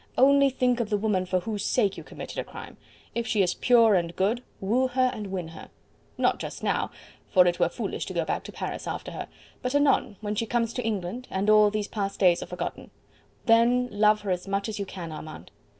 Only think of the woman for whose sake you committed a crime if she is pure and good, woo her and win her not just now, for it were foolish to go back to Paris after her, but anon, when she comes to England and all these past days are forgotten then love her as much as you can, Armand.